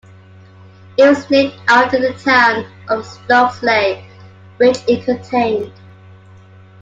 It was named after the town of Stokesley, which it contained.